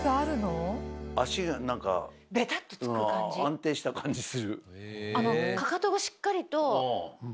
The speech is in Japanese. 安定した感じする。